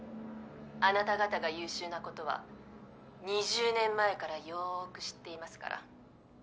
あなた方が優秀なことは２０年前からよく知っていますから。